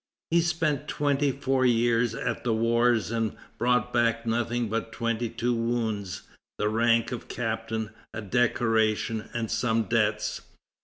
He spent twenty four years at the wars and brought back nothing but twenty two wounds, the rank of captain, a decoration, and some debts.